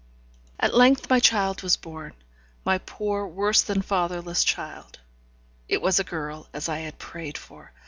At length my child was born my poor worse than fatherless child. It was a girl, as I had prayed for.